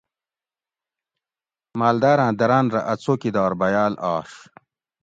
مالداراۤں دراۤن رہ اۤ څوکیدار بیاۤل آش